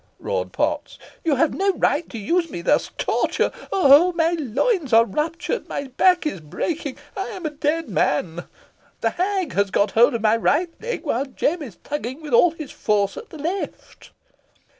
roared Potts. "You have no right to use me thus. Torture! oh! oh! my loins are ruptured my back is breaking I am a dead man. The hag has got hold of my right leg, while Jem is tugging with all his force at the left."